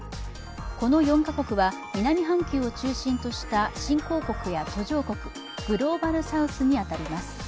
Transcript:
この４か国は南半球を中心とした新興国や途上国グローバルサウスに当たります。